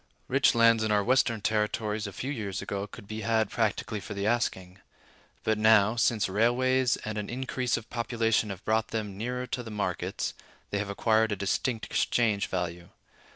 Rich lands in our Western Territories a few years ago could be had practically for the asking; but now, since railways and an increase of population have brought them nearer to the markets, they have acquired a distinct exchange value.